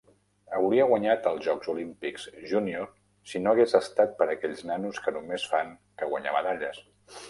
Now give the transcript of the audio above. Hauria guanyat els Jocs Olímpics Júnior si no hagués estat per aquells nanos que només fan que guanyar medalles.